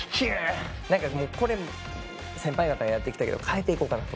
何かこれ先輩方がやってきたけど変えていこうかなと思って。